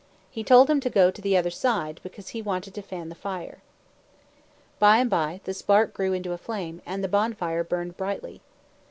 He told them to go to the other side, because he wanted to fan the fire. By and by the spark grew into a flame, and the bonfire burned brightly.